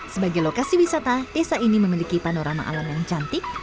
sebagai lokasi wisata desa ini memiliki panorama alam yang cantik